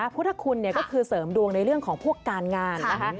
พุทธคุณก็คือเสริมดวงในเรื่องของพวกการงานนะคะ